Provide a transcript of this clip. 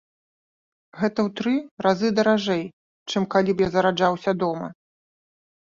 Гэта ў тры разы даражэй, чым калі б я зараджаўся дома!